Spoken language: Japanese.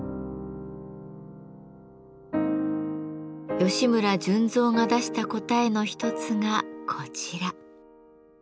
吉村順三が出した答えの一つがこちら。